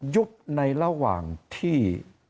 ยุบในระหว่างที่